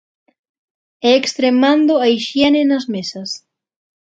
E extremando a hixiene nas mesas.